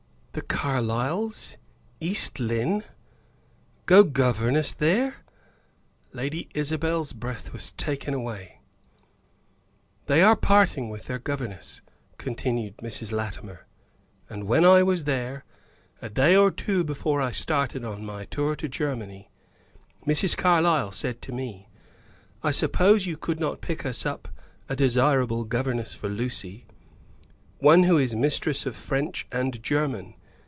The Carlyles! East Lynne! Go governess there? Lady Isabel's breath was taken away. "They are parting with their governess," continued Mrs. Latimer, "and when I was there, a day or two before I started on my tour to Germany, Mrs. Carlyle said to me, 'I suppose you could not pick us up a desirable governess for Lucy; one who is mistress of French and German.